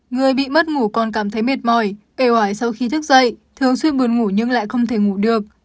người bị mất ngủ còn cảm thấy mệt mỏi e ỏi sau khi thức dậy thường xuyên buồn ngủ nhưng lại không thể ngủ được